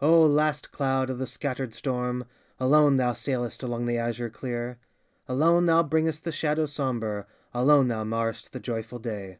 O last cloud of the scattered storm, Alone thou sailest along the azure clear; Alone thou bringest the shadow sombre, Alone thou marrest the joyful day.